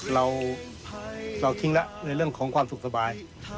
เราทิ้งแล้วในเรื่องของความสุขสบาย